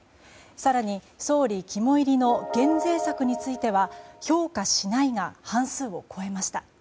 更に、総理肝煎りの減税策については評価しないが半数を超えました。